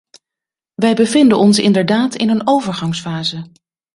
Wij bevinden ons inderdaad in een overgangsfase.